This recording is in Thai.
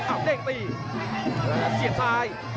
อับเร่งตีเสียบซ้าย